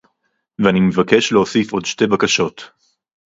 ואני מבקש להוסיף עוד שתי בקשות